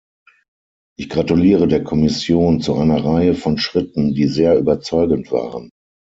Ich gratuliere der Kommission zu einer Reihe von Schritten, die sehr überzeugend waren.